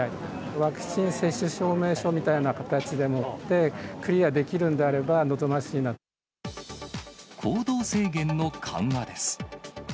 ワクチン接種証明書みたいな形でもって、クリアできるんであれば行動制限の緩和です。